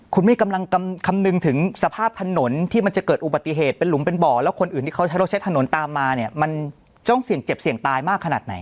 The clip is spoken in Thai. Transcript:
คุณไม่กำลังคำนึงถึงสภาพถนนที่มันจะเกิดอุบัติเหตุเป็นหลุมเป็นบ่อแล้วคนอื่นที่เขาใช้รถใช้ถนนตามมาเนี่ยมันต้องเสี่ยงเจ็บเสี่ยงตายมากขนาดไหน